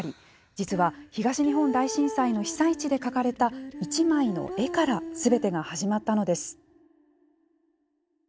実は、東日本大震災の被災地で描かれた１枚の絵からすべてが始まったのです。